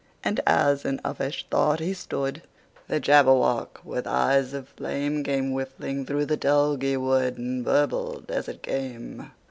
And as in uffish thought he stood, The Jabberwock, with eyes of flame, Came whiffling through the tulgey wood, And burbled as it came!